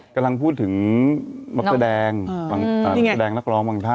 กำลังพูดถึงบัตเตอร์แดงบัตเตอร์แดงนักร้องบางท่า